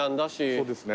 そうですね。